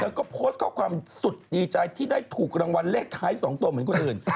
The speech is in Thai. โอ้คิดว่าความสุดดีใจที่ได้ถูกรางวัลเลขท้ายสองตัวเหมือนคนอื่น